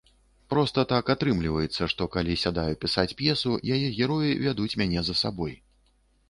Проста так атрымліваецца, што, калі сядаю пісаць п'есу, яе героі вядуць мяне за сабой.